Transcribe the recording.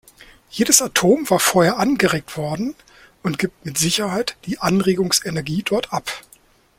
Jedes Atom war vorher angeregt worden und gibt mit Sicherheit die Anregungsenergie dort ab.